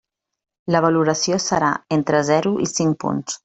La valoració serà entre zero i cinc punts.